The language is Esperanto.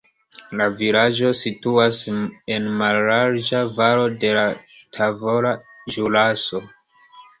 La vilaĝo situas en mallarĝa valo de la Tavola Ĵuraso.